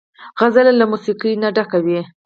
سندره له موسیقۍ نه ډکه وي